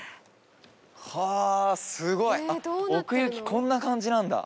はぁすごい奥行きこんな感じなんだ。